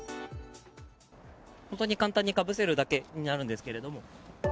本当に簡単にかぶせるだけになるんですけども。